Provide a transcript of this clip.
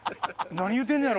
何言うてんねやろ？